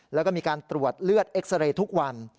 แล้วก็มีการตรวจเลือดเอ็กซาเรย์ทุกวัน